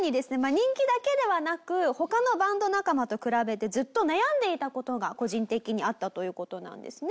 人気だけではなく他のバンド仲間と比べてずっと悩んでいた事が個人的にあったという事なんですね。